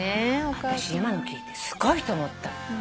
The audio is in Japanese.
私今の聞いてすごいと思った。